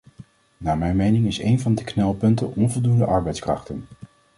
Naar mijn mening is een van de knelpunten onvoldoende arbeidskrachten.